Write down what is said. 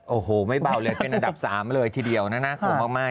โอ้โหไม่เบาเลยเป็นอันดับ๓เลยทีเดียวนะน่ากลัวมาก